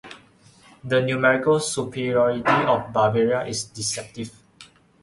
The numerical superiority of Bavaria is deceptive.